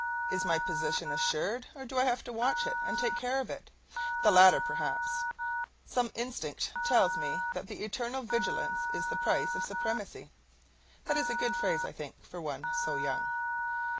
Is my position assured, or do I have to watch it and take care of it? The latter, perhaps. Some instinct tells me that eternal vigilance is the price of supremacy. [That is a good phrase, I think, for one so young.